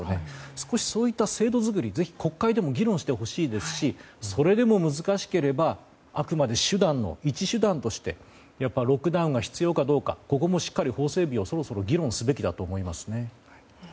少しそういった制度作りをぜひ国会でも議論してほしいですしそれでも難しければあくまで一手段としてやっぱりロックダウンが必要かどうか法整備をそろそろ議論すべきだと思います。